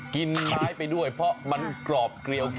กินไม้ไปด้วยเพราะมันกรอบเกลียว